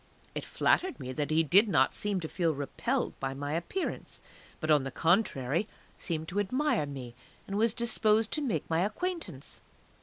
It flattered me that he did not seem to feel repelled by my appearance, but on the contrary seemed to admire me, and was disposed to make my acquaintance.